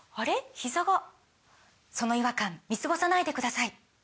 ひざがその違和感見過ごさないでください